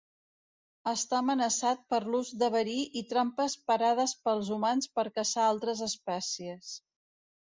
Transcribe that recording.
Està amenaçat per l'ús de verí i trampes parades pels humans per caçar altres espècies.